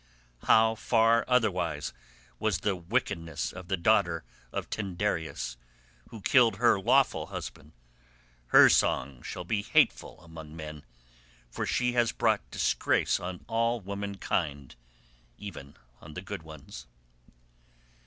How far otherwise was the wickedness of the daughter of Tyndareus who killed her lawful husband; her song shall be hateful among men, for she has brought disgrace on all womankind even on the good ones."